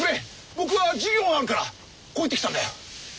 僕は授業があるからこう言ってきたんだよ。